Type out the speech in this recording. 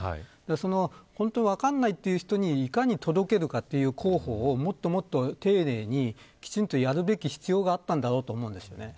その、本当に分からないという人にいかに届けるかという広報をもっともっと丁寧にきちんとやるべき必要があったと思うんです。